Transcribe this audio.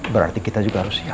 berarti kita juga harus siap